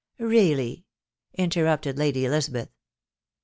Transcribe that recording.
" Really !" interrupted Lady Elisabeth.